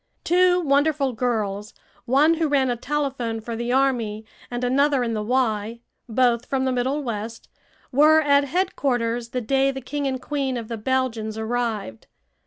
Two wonderful girls, one who ran a telephone for the army and another in the "Y," both from the Middle West, were at headquarters the day the King and Queen of the Belgians arrived.